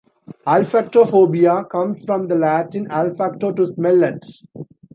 "Olfactophobia" comes from the Latin "olfacto", "to smell at".